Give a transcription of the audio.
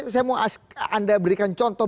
saya mau anda berikan contoh